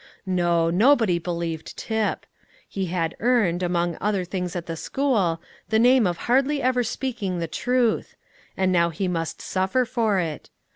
No, nobody believed Tip. He had earned, among other things in the school, the name of hardly ever speaking the truth; and now he must suffer for it.